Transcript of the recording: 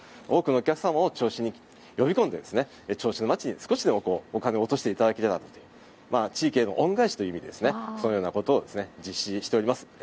多くのお客さんを銚子に呼び込んで銚子の街に少しでもお金を落としていただければと地域への恩返しということでそのようなことを実施しています。